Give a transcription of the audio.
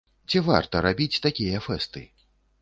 Ці варта рабіць такія фэсты?